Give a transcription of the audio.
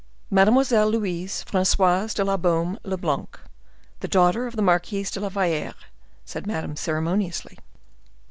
"Mademoiselle Louise Francoise de la Beaume le Blanc, the daughter of the Marquise de la Valliere," said Madame, ceremoniously.